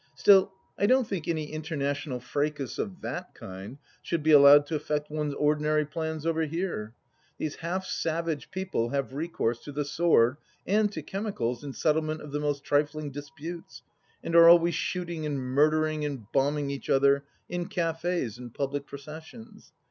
Still, I don't think any international fracas of that kind should be allowed to affect one's ordinary plans over here. These half savage people have recourse to the sword and to chemicals in settlement of the most trifling disputes, and are always shooting and murdering and bombing each other in cafes and public processions.